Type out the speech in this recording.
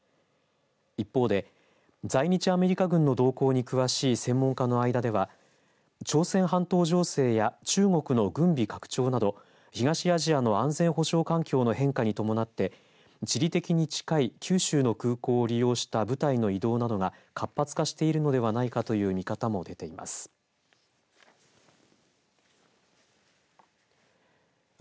一方で在日アメリカ軍の動向に詳しい専門家の間では朝鮮半島情勢や中国の軍備拡張など東アジアの安全保障環境の変化に伴って地理的に近い九州の空港を利用した部隊の移動などが活発化しているのではないかという見方も出ています。